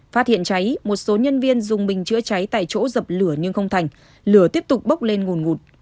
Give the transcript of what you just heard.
phát hiện cháy một số nhân viên dùng bình chữa cháy tại chỗ dập lửa nhưng không thành lửa tiếp tục bốc lên nguồn ngụt